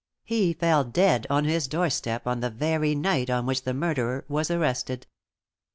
He fell dead on his own doorstep on the very night on which the murderer was arrested.